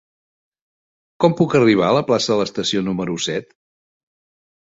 Com puc arribar a la plaça de l'Estació número set?